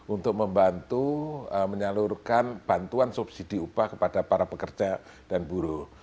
untuk membantu menyalurkan bantuan subsidi upah kepada para pekerja dan buruh